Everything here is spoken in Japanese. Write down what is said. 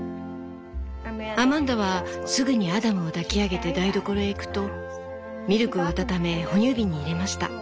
「アマンダはすぐにアダムを抱き上げて台所へ行くとミルクを温め哺乳瓶に入れました。